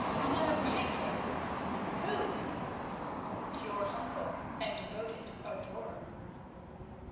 "Another bridegroom! Who?" "Your humble and devoted adorer."